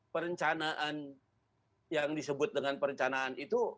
perencanaan yang disebut dengan perencanaan itu